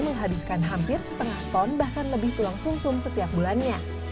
menghabiskan hampir setengah ton bahkan lebih tulang sum sum setiap bulannya